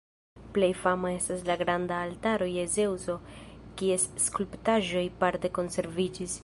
Plej fama estas la granda Altaro je Zeŭso, kies skulptaĵoj parte konserviĝis.